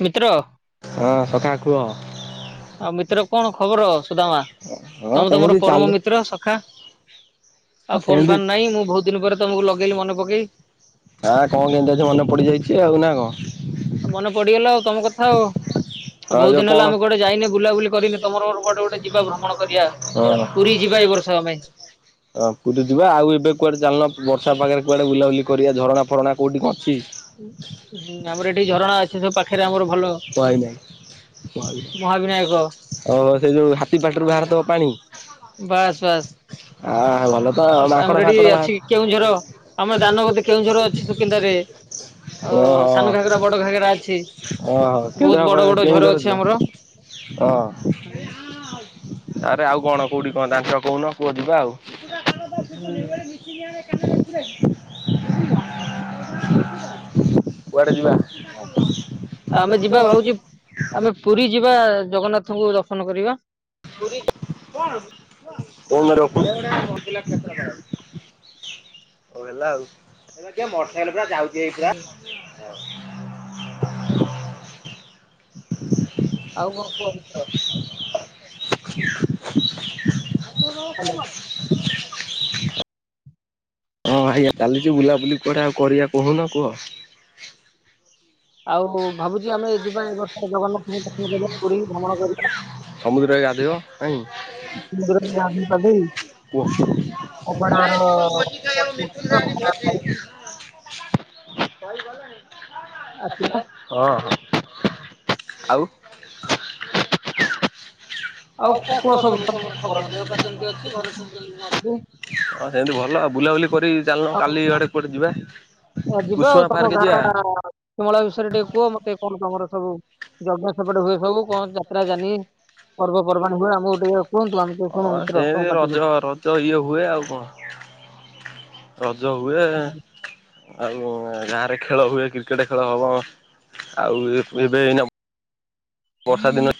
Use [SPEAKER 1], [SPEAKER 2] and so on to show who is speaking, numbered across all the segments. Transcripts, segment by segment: [SPEAKER 1] ମିତ୍ର
[SPEAKER 2] ହଁ ସକାା କୁହ
[SPEAKER 1] ଆଉ ମିତ୍ର କଣ ଖବର ସୁଦାମ
[SPEAKER 2] ହଁ
[SPEAKER 1] ତମେ ତ ମୋର
[SPEAKER 2] ସେମିତି ଚାଲି
[SPEAKER 1] ପରମ ମିତ୍ର ସଖା
[SPEAKER 2] ଆଉ
[SPEAKER 1] ଆଉ ଫୋନ୍
[SPEAKER 2] ସେମିତି
[SPEAKER 1] ଫନ୍ ନାଇଁ ମୁଁ ବହୁତ ଦିନ ପରେ ତମକୁ ଲଗେଇଲି ମନେ ପକେଇ
[SPEAKER 2] ହଁ କଣ କେମତିଛ ମନେ ପଡିଯାଇଛି ଆଉ ନା କଣ
[SPEAKER 1] ମନେ ପଡିଗଲା ଆଉ ତମ କଥା ଆଉ ଆଉ ବହୁତ
[SPEAKER 2] ଯୋଉ
[SPEAKER 1] ଦିନ ହେଲା
[SPEAKER 2] କଣ
[SPEAKER 1] ଆମେ ଗୋଟେ ଯାଇନେ ବୁଲାବୁଲି କରିନି ତମର ଗୋଟେ ଗୋଟେ ଯିବା ଭ୍ରମଣ କରିବା
[SPEAKER 2] କି କ
[SPEAKER 1] ପୁରୀ ଯିବା ଏ ବର୍ଷ
[SPEAKER 2] ପ୍ରଥ
[SPEAKER 1] ଆମେ।
[SPEAKER 2] ହଁ ପୁରୀ ଯିବା ଆଉ ଏବେ କୁଆଡେ ଚାଲନ ବର୍ଷା ପାାଗରେ କୁଆଡେ ବୁଲାବୁଲି କରିବା ଝଣା ଫରଣା କୋଉଠି କଣ
[SPEAKER 1] ହୁଁ ଆମର ଏଠି ଝରଣା ଅଛି ସବୁ ପାଖରେ ଆମର ଭଲ
[SPEAKER 2] କାଇ ନହିଁ ସେ
[SPEAKER 1] ମହାବିନାୟକ
[SPEAKER 2] ଯୋଉ ହାତୀ ପାଟିରୁ ବାହାରିଥବା ପାଣି
[SPEAKER 1] ବାସ୍
[SPEAKER 2] ବସ୍
[SPEAKER 1] ବାସ୍।
[SPEAKER 2] ବସ୍ ହ ଭଲ ତ
[SPEAKER 1] ଆଚ୍ଛା ଆମର
[SPEAKER 2] ମାଙ୍କଡ
[SPEAKER 1] ଏଠି
[SPEAKER 2] ଫାଙ୍କଡ ବା
[SPEAKER 1] ଅଛି କେଉଁଝର ଆମର ଦାନଗଦି କେଉଁଝର ଅଛି ସୁକିନ୍ଦାରେ। ଅ ସାନ
[SPEAKER 2] ଓହୋ
[SPEAKER 1] ଘାଗରା ବଡ ଘାଗରା ଅଛି
[SPEAKER 2] ଓହୋ
[SPEAKER 1] ବହୁତ ବଡ
[SPEAKER 2] କେନ୍ଦ୍ରାପ
[SPEAKER 1] ବଡ
[SPEAKER 2] କେଉଁ
[SPEAKER 1] ଝର
[SPEAKER 2] ଧର
[SPEAKER 1] ଅଛି ଆମର।
[SPEAKER 2] ହଁ ଆରେ ଆଉ କଣ କେୋଉଠି କଣ ଦାଞ୍ଚ କହୁନ କୁଅ ଯିବା ଆଉ [inaudible]
[SPEAKER 1] ହୁଁ
[SPEAKER 2] ଯିବା
[SPEAKER 1] ଆମେ ଯିବା ଭାବଛି ଆମେ ପୁରୀ ଯିବା ଜଗନ୍ନାଥଙ୍କୁ ଦର୍ଶନ କରିବା
[SPEAKER 2] ର ହଉ ହେଲା ଆଉ ଏବେ ମଟର ସାଇକେଲ ପୁରା ଯାଉଛି ଏଇ ପୁରା [inaudible] ଆଉ କଣ କୁ
[SPEAKER 1] ହୁଁ
[SPEAKER 2] ରୁୋକୁ ହଁ ଆଜ୍ଞା ଚାଲିଚୁ ବୁଲାବୁଲି କୁଆଟେ ଆଉ କରିବା କହୁନ କୁହ
[SPEAKER 1] ଆଉ ଭାବୁଛି ଆମେ ଯିବା ଏ ବର୍ଷ ଜଗନ୍ନାଥଙ୍କୁ ଦର୍ଶନ କରିବା ପୁରୀ ଭ୍ରମଣ କରି
[SPEAKER 2] ସମୁଦ୍ରରେ ଗାଦ ଦେଖ କାଇଁ।
[SPEAKER 1] [unintelligible] ଗାଧେଇ ପାଧେଇ। ଅବଢାର ଦର୍ଶନ କରିବା, ଅବଢା ଖାଇ
[SPEAKER 2] କୁହ।
[SPEAKER 1] [inaudible]
[SPEAKER 2] ଭାଇ ଗଲାଣି।
[SPEAKER 1] ଆଜ୍ଞା।
[SPEAKER 2] ହଁ ଆଉ। ଆଉ କଣ କୁହ ସବୁ ତମର ଖବର ଦେହ ପା କେମିତି ଅଛି। ଘରେ ସବୁ କେମିତି କଣ
[SPEAKER 1] ସବୁ।
[SPEAKER 2] ଅଛି। ସେମିତି ଭଲ ବୁଲାବୁଲି କରି ଚାଲୁନ କାଲି ଆଡେ କୁଆଡେ ଯିବା କୁସୁମା ପାର୍କ ଯିବା।
[SPEAKER 1] କୁମଳା ବିଷୟରେ ଟିକେ କୁହ ମତେ କଣ ତମର ସବୁ ଯଜ୍ଞ ସେପଟେ ହୁଏ ସବୁ। କଣ ଯାତ୍ରା ଜାନି ପର୍ବପର୍ବାଣି ହୁଏ। ଆମକୁ ଟିକେ କୁହନ୍ତୁ ଆମେ ଟିକେ ଶୁଣୁ
[SPEAKER 2] ହଁ
[SPEAKER 1] ମିତ୍ର ତମ
[SPEAKER 2] ସେମିତି
[SPEAKER 1] ପାଟିରୁ
[SPEAKER 2] ରଜ ରଜ ଇଏ ହୁଏ ଆଉ କଣ। ଜ ହୁଏ। ଆଉ ଗାଁରେ ଖେଳ ହୁଏ। କ୍ରିକେଟ ଖେଳ ହବ। ଆଉ ଏବେ ଏଇନା ବର୍ଷା ଦିନେ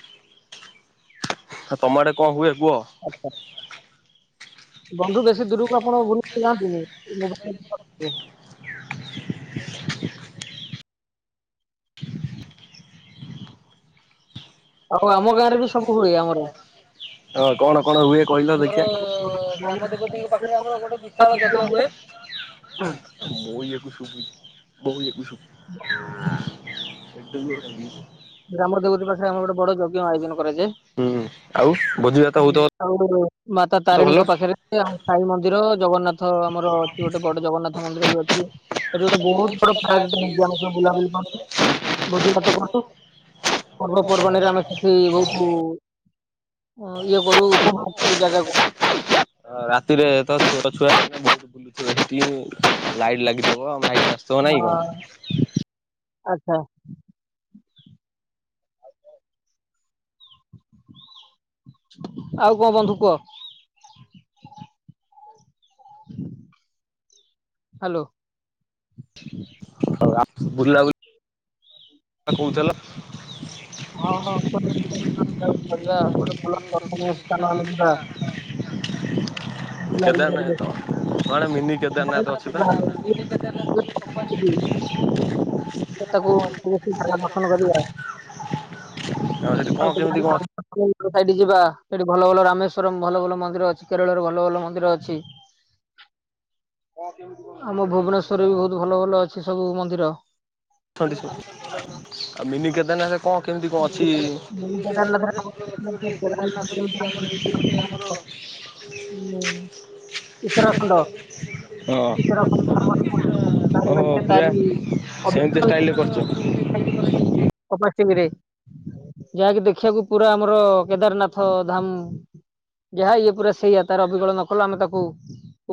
[SPEAKER 2] ଆ ତମ ଆଡେ କଣ ହୁଏ କୁହ।
[SPEAKER 1] ହୁଁ। ବନ୍ଧୁ ବେଶୀ ଦୂରକୁ ଆପଣ ବୁଲିଯାଆନ୍ତି କି [unintelligible]
[SPEAKER 2] [inaudible] ହଉ ଆମ ଗାଁରେ ବି ସବୁ ହୁଏ ଆମର। ହଁ କଣ କଣ ହୁଏ କହିଲ ଦେଖିବା?
[SPEAKER 1] ଗ୍ରାମ
[SPEAKER 2] ବଉ ୟାକୁ ଶୁଭୁଚି ବହୁ ୟାକୁ ଶୁଭୁଛି।
[SPEAKER 1] [inaudible]
[SPEAKER 2] [unintelligible]
[SPEAKER 1] ଗ୍ରାମର ଦେବି ପାଖରେ ଆମ ଗୋଟେ ବଡ ଯଜ୍ଞ ଆୟୋଜନ କରାଯାଏ।
[SPEAKER 2] ହୁଁ ଆଉ ଭୋଜିଭାତ
[SPEAKER 1] [unintelligible]
[SPEAKER 2] ହଉଥିବ
[SPEAKER 1] ଆଉ ମାତା
[SPEAKER 2] ତ ଭଲ।
[SPEAKER 1] ତାରିଣୀଙ୍କ ପାଖରେ ସାଇ ମନ୍ଦିର ଜଗନ୍ନାଥ ଆମର ଅଛି ଗୋଟେ ବଡ ଜଗନ୍ନାଥ ମନ୍ଦିର ବି ଅଛି। ଏଠି ଗୋଟେ ବହୁତ ବଡ [unintelligible] ଆମ ବୁଲାବୁଲି କରୁଛୁ ଭୋଜିଭାତ କରୁଛୁ। ପର୍ବପର୍ବାଣିରେ ଆମେ ସେଠି ବହୁତ ଇଏ କରୁ ଉପଭୋଗ ଜାଗାକୁ।
[SPEAKER 2] ରାତିରେ ତାର ଛୋଟ ଛୁଆ ବୁଲୁ ଥିବେ ସେତିକି ଲାଇଟ ଲାଗିଥିବ। ଆଉ ଲାଇଟ ଆସୁଥିବ ନାଇଁ କଣ।
[SPEAKER 1] ହଁ। ଆଉ କଣ ବନ୍ଧୁ କୁହ। ହ୍ୟାଲୋ।
[SPEAKER 2] ହଉ ବୁଲା ବୁ କହୁଥିଲ।
[SPEAKER 1] ହଁ ହଁ [unintelligible] ବୁଲାବୁଲି କରିକି
[SPEAKER 2] କେଦାରନାଥ କଣ ମିନି କେଦାରନାଥ ଅଛି ପା।
[SPEAKER 1] ଯେ ତାକୁ କହୁଛି ଚାଲ ମଟନ କରିବା।
[SPEAKER 2] ଆଉ ସେଠି କଣ କେମିତି କଣ
[SPEAKER 1] [unintelligible] ସେଇଠି ଯିବା ସେଠି ଭଲ ଭଲ ରାମେଶ୍ଵରମ ଭଲ ଭଲ ମନ୍ଦିର ଅଛି। କେରଳରେ ଭଲ ଭଲ ମନ୍ଦିର ଅଛି। ଆମ ଭୁବନେଶ୍ଵରରେ ବି ବହୁତ ଭଲ ଭଲ ଅଛି ସବୁ ମନ୍ଦିର।
[SPEAKER 2] [unintelligible] ଆଉ ମିନି କେଦାରନାଥ କଣ କେମିତି କଣ ଅଛି।
[SPEAKER 1] ହୁଁ। ଉତ୍ତରାଖଣ୍ଡ
[SPEAKER 2] ହଁ।
[SPEAKER 1] ଉତ୍ତରାଖଣ୍ଡ ଆମ ତାର
[SPEAKER 2] ଓହୋ
[SPEAKER 1] ମଜା ଟା
[SPEAKER 2] ପୁରା
[SPEAKER 1] ବି
[SPEAKER 2] ସେମିତି ଷ୍ଟାଇଲ୍ ରେ କରିଛ।
[SPEAKER 1] ଯାହାକି ଦେଖିବାକୁ ପୁରା ଆମର କେଦାରନାଥ ଧାମ ଯାହା ଇଏ ପୁରା ସେଇ ତାର ଅବିକଳ ନକଲ, ଆମେ ତାକୁ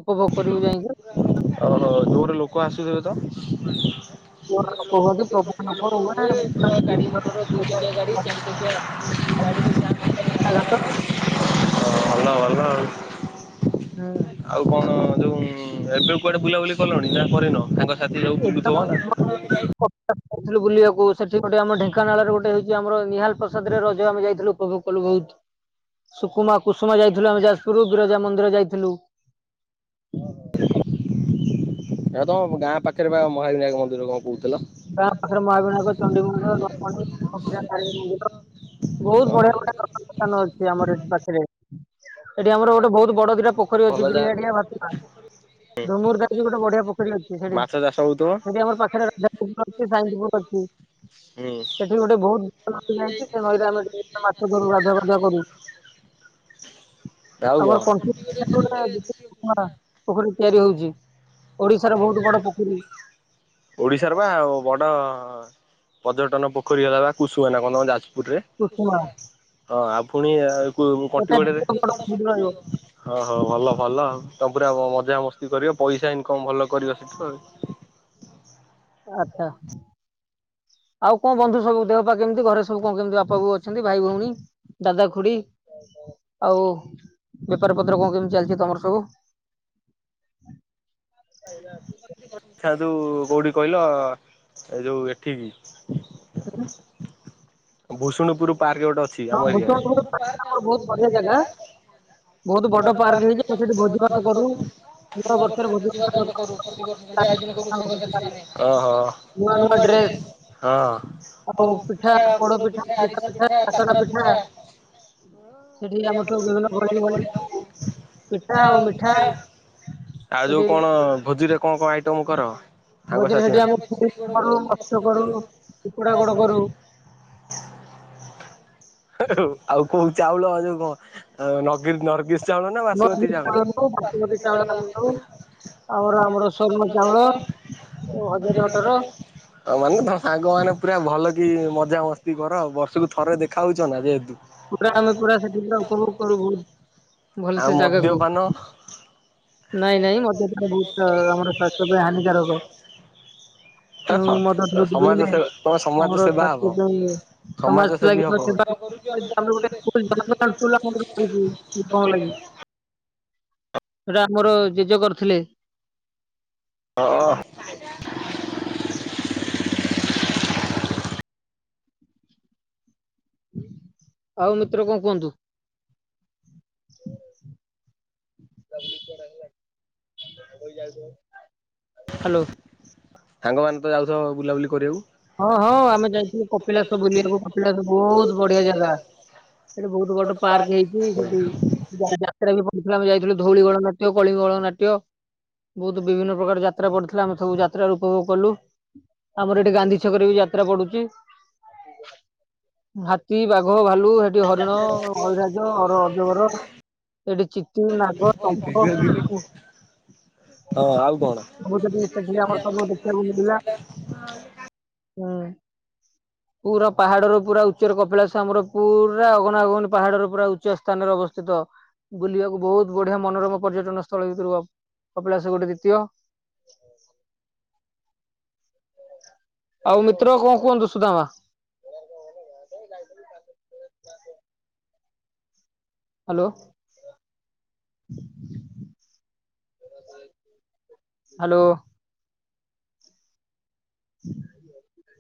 [SPEAKER 1] ଉପଭୋଗ କରିବୁ ଯାଇକି।
[SPEAKER 2] ଓହୋ, ଜୋରେ ଲୋକ ଆସୁଥିବେ ତ? ଜୋରେ ଲୋକ
[SPEAKER 1] କୁହନ୍ତି
[SPEAKER 2] ହୁଅନ୍ତି,
[SPEAKER 1] ପ୍ରଭୁ
[SPEAKER 2] ପ୍ରବଳ
[SPEAKER 1] ନଗର
[SPEAKER 2] ଲୋକ ହୁଏ, ପୁରା ଗାଡି ମଟର ଦୁଇ ଟକିଆ ଗାଡି, ଚାରି ଟକିଆ
[SPEAKER 1] [unintelligible]
[SPEAKER 2] ହଁ ଭଲ ଭଲ ଆଉ
[SPEAKER 1] ହୁଁ
[SPEAKER 2] ଆଉ କଣ ଯୋଉ ହୁଁ ଏବେ କୁଆଡେ ବୁଲାବୁଲି କଲଣି ନା କରିନ? ସାଙ୍ଗ ସାଥି ସବ ବୁଲୁଥିବ ନା?
[SPEAKER 1] ଯାଇଥିଲୁ ବୁଲିବାକୁ ସେଠି ଗୋଟେ ଆମ ଢେଙ୍କାନାଳରେ ଗୋଟେ ହେଉଛି ଆମର ନିହାଲ ପ୍ରାସା ଦରେ ରଜ ଆମ ଯାଇଥିଲୁ ଉପଭୋଗ କଲୁ ବହୁତ ସୁକୁମା କୁସୁମା ଯାଇଥିଲୁ ଆମେ ଯାଜପୁରରୁ ବିରଜା ମନ୍ଦିର ଯାଇଥିଲୁ। ହଁ ହଁ
[SPEAKER 2] ଏହା ତମ ଗାଁ ପାଖରେ ବା ମହାବିନାୟକ ମନ୍ଦିର କଣ? କହୁଥିଲ?
[SPEAKER 1] ଗାଁ ପାଖରେ ମହାବିନାୟକ, ଚଣ୍ଡୀମନ୍ଦିର, ଦର୍ପଣୀ [unintelligible] ବହୁତ ବଢିଆ ବଢିଆ ଦର୍ଶନିଅ ସ୍ଥାନ ଅଛି ଆମର ଏଠି ପାଖରେ, ଏଠି ଆମର ଗୋଟେ ବହୁତ ବଡ ଦିଟା ପୋଖରୀ
[SPEAKER 2] ଭଲ
[SPEAKER 1] ଅଛି
[SPEAKER 2] ଜାଗାରେ
[SPEAKER 1] ବିଡିଆଡିଆ ଭାତୁ ଧୁମୁରା ଗୋଟେ ବଢିଆ ପୋଖରୀ ଅଛି ସେଠି,
[SPEAKER 2] ମାଛ ଚାଷ ହଉଥିବ
[SPEAKER 1] ସେଠି ଆମ ପାଖରେ [unintelligible]
[SPEAKER 2] ହୁଁ
[SPEAKER 1] ସେଠି ଗୋଟେ ବହୁତ ନଇ ଯାଇଛି, ସେ ନଈରେ ଆମେ ମାଛ ଧରୁ ଗାଧୁଆ ପାଧୁଆ କରୁ। [inaudible] ଆମର
[SPEAKER 2] [unintelligible]
[SPEAKER 1] କଣ୍ଟିଲୋ ଗୋଟେ ପୋଖରୀ ତିଆରି ହଉଛି, ଓଡିଶାର ବହୁତ ବଡ ପୋଖରୀ।
[SPEAKER 2] ଓଡିଶାର ବା ଆଉ ବଡ ପର୍ଯ୍ୟଟନ ପୋଖରୀ ହେଲା ବା କୁଶୁଅ ନା କଣ ଯାଜ
[SPEAKER 1] କୁସୁମା
[SPEAKER 2] ହଁ ଆଉ ପୁଣି
[SPEAKER 1] ଏଟା
[SPEAKER 2] କଟିଗଡରେ
[SPEAKER 1] ଦ୍ୱିତୀୟ ବଡ ପୋଖରୀ
[SPEAKER 2] ହଉ ଭଲ ଭଲ, ଆଉ ତମ ପୁରା ମଜାମସ୍ତି କରିବ ପଇସା ଇନକମ୍ ଭଲ କରିବ ସେଠୁ ଆଉ
[SPEAKER 1] ଆଛା ଆଉ କଣ ବନ୍ଧୁ ସବୁ ଦେହ ପା କେମିତି? ଘରେ ସବୁ କଣ କେମିତି? ବାପା ବୋଉ ଅଛନ୍ତି ଭାଇ ଭଉଣୀ ଦାଦା ଖୁଡି ଆଉ ବେପାର ପତ୍ର କଣ କେମିତି ଚାଲିଛି ତମର ସବୁ? [unintelligible]
[SPEAKER 2] ଯାଇଥାନ୍ତୁ କୋଉଠିକି କହିଲ? ଏ ଯୋଉ ଏଠିକି ଭୂଷୁଣୁପୁର ପାର୍କ ଗୋଟେ ଅଛି
[SPEAKER 1] ହଁ
[SPEAKER 2] ଆମ
[SPEAKER 1] ଭୂଷଣ
[SPEAKER 2] ଏରିଆରେ
[SPEAKER 1] ଆମର
[SPEAKER 2] ବହୁତ
[SPEAKER 1] ବହୁତ ବଢିଆ ଜାଗା
[SPEAKER 2] ବଡ ପାର୍କଟେ ହେଇଛି, ଆମେ ସେଇଠି ଭୋଜି ଭାତ କରୁଛୁ। ନୂଆ ବର୍ଷରେ ଭୋଜିଭାତ ଆମେ କରୁ, ଆୟୋଜନ କରୁ ସାଙ୍ଗସାଥି ମାନେ, ନୂଆ ନୂଆ ହଁ ଆଉ
[SPEAKER 1] ଆଉ
[SPEAKER 2] ପିଠା,
[SPEAKER 1] ପିଠା
[SPEAKER 2] ପୋଡ ପିଠା
[SPEAKER 1] [unintelligible]
[SPEAKER 2] କାକରା ପିଠା [unintelligible] ଆମର ବିଭିନ୍ନ ଭଳିକି ଭଳି ସବୁ ପିଠା ଆଉ ମିଠା ଆଉ ଯୋଉ
[SPEAKER 1] ସେଠି
[SPEAKER 2] କଣ ଭୋଜି ରେ କଣ କଣ ଆଇଟମ କର ତାଙ୍କ
[SPEAKER 1] ଭୋଜିରେ ସେଠି
[SPEAKER 2] ଆମେ ଛେଳି ଗୋଡ କରୁ, ମାଛ କରୁ, କୁକୁଡା ଗୋଡ କରୁ। ଆଉ କୋଉ ଚାଉଳ ଯୋଉ [unintelligible] ଚାଉଳ ନା ବାସୁମତୀ
[SPEAKER 1] ବରଫି ଚାଉଳରୁ ବାସୁମତୀ
[SPEAKER 2] ଚାଉଳ
[SPEAKER 1] ଆମର ଆମର ସ୍ୱର୍ଣ୍ଣ ଚାଉଳ ଓ ହଜାରେ ଅଠର
[SPEAKER 2] ଆ ମାନେ ତ ସାଙ୍ଗମାନେ ପୁରା ଭଲ କି ମଜାମସ୍ତି କର ବର୍ଷକୁ ଥରେ ଦେଖାହେଉଛ ନା ଯେହେତୁ
[SPEAKER 1] ପୁରା ଆମେ ପୁରା ସେଠି ପୁରା ଉପଭୋଗ କରୁବୁ। ଭଲ
[SPEAKER 2] ଆଉ
[SPEAKER 1] ସେ ଜାଗାକୁ
[SPEAKER 2] ମଦ୍ୟପାନ
[SPEAKER 1] ନାଇଁ ନାଇଁ ମଦ ବହୁତ ଆମର ସ୍ୱାସ୍ଥ୍ୟ ପାଇଁ ହାନିକାରକ। [unintelligible]
[SPEAKER 2] ସମାଜ ସେବା ତମେ ସମାଜ ସେବା
[SPEAKER 1] ସମାଜକୁ ଲାଗି
[SPEAKER 2] ସେବା କରୁ
[SPEAKER 1] [unintelligible] ସେଟା ଆମର ଜେଜେ କରିଥିଲେ।
[SPEAKER 2] ଆଃ।
[SPEAKER 1] ଆଉ ମିତ୍ର କଣ କୁହନ୍ତୁ? ହାଲୋ।
[SPEAKER 2] ସାଙ୍ଗମାନେ ତ ଯାଉଥିବ ବୁଲାବୁଲି କରିବାକୁ।
[SPEAKER 1] ହଁ ହଁ ଆମେ ଯାଇଥିଲୁ କପିଳାସ ବୁଲିବାକୁ କପିଳାସ ବହୁତ ବଢିଆ ଜାଗା। ସେଠି ବହୁତ ବଡ ପାର୍କ ହେଇଛି ସେଠି ଯାତ୍ରା ବି ସେଇଠି ଆମେ ଯାଇଥିଲୁ ଧଉଳି ବଳ ନାଟ୍ୟ, କଳିଙ୍ଗ ବଳ ନାଟ୍ୟ। ବହୁତ ବିଭିନ୍ନ ପ୍ରକାର ଯାତ୍ରା ପଡିଥିଲା ଆମେ ସବୁ ଯାତ୍ରା ର ଉପଭୋଗ କଲୁ ଆମର ଏଠି ଗାନ୍ଧୀ ଛି କରିକି ଯାତ୍ରା ପଡୁଛି ହାତୀ, ବାଘ, ଭାଲୁ ସେଠି ହରିଣ, ଅଇରାଜ, ଅଜଗର। ଏଠି ଚିିତି, ନାଗ, ତମ୍ପ।
[SPEAKER 2] ହଁ ଆଉ କଣ?
[SPEAKER 1] ସବୁ ସେଠି ସେଠି ଆମର ସବୁ ଦେଖିବାକୁ ହୁଁ। ପୁରା ପାହାଡର ପୁରା ଉଚ୍ଚର କପିଳାସ ଆମର ପୁରା ଅଗନାଗନୀ ପାହାଡର ପୁରା ଉଚ୍ଚ ସ୍ଥାନରେ ଅବସ୍ଥିତ। ବୁଲିବାକୁ ବହୁତ ବଢିଆ ମନୋରମ ପର୍ଯ୍ୟଟନ ସ୍ଥଳ ଭିତରୁ କପିଳାସ ଗୋଟେ ଦ୍ୱିତୀୟ। [inaudible] ଆଉ ମିତ୍ର କଣ କୁହନ୍ତୁ ସୁଧମା? ହାଲୋ। ହାଲୋ। ହୁଁ।